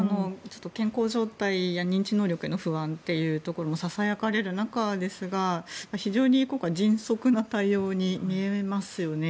健康状態や認知能力への不安というのがささやかれる中ですが非常に今回は迅速な対応に見えますよね。